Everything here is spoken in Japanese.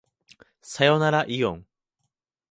さよならいおん